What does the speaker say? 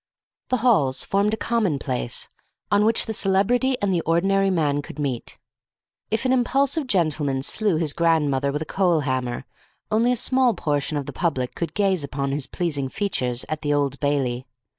The Halls formed a common place on which the celebrity and the ordinary man could meet. If an impulsive gentleman slew his grandmother with a coal hammer, only a small portion of the public could gaze upon his pleasing features at the Old Bailey.